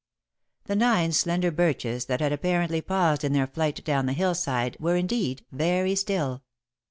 The nine slender birches, that had apparently paused in their flight down the hillside, were, indeed, very still.